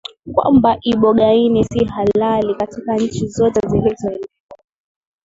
kwamba ibogaini si halali katika nchi zote zilizoendelea